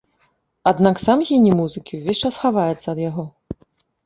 Аднак сам геній музыкі ўвесь час хаваецца ад яго.